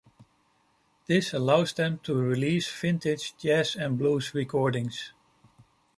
This allowed them to release vintage jazz and blues recordings.